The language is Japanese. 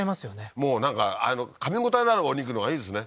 もうなんかかみ応えのあるお肉のほうがいいですね